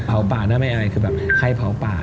เผาป่าหน้าไม่อายคือแบบใครเผาป่า